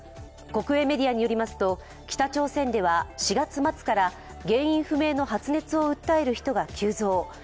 国営メディアによりますと北朝鮮では４月末から原因不明の発熱を訴える人が急増。